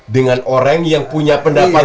dengan orang yang punya pendapat